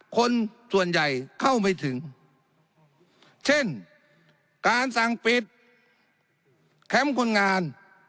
คนส่วนใหญ่เข้าไม่ถึงเช่นการสั่งปิดแคมป์คนงาน